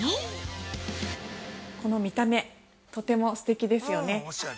◆この見た目、とてもすてきですよね。